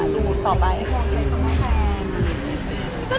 เพียงใส่คนมาแฟน